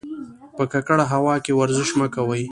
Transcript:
په ککړه هوا کې ورزش مه کوئ.